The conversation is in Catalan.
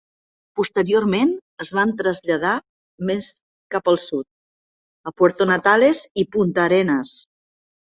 Posteriorment, es van traslladar més cap al sud, a Puerto Natales i Punta Arenas.